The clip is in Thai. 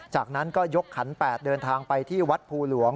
จากนั้นก็ยกขัน๘เดินทางไปที่วัดภูหลวง